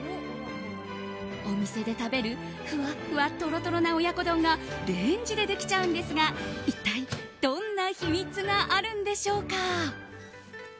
お店で食べるふわふわトロトロな親子丼がレンジでできちゃうんですが一体どんな秘密があるんでしょうか。